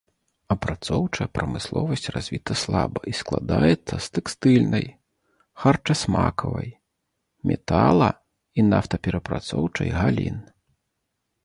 Апрацоўчая прамысловасць развіта слаба і складаецца з тэкстыльнай, харчасмакавай, метала- і нафтаперапрацоўчай галін.